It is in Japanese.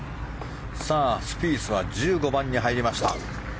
スピースは１５番に入りました。